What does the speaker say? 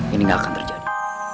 ini gak akan terjadi